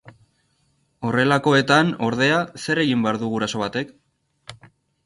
Horrelakoetan, ordea, zer egin behar du guraso batek?